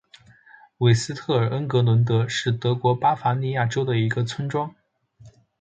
韦斯特尔恩格伦德是德国巴伐利亚州的一个村庄。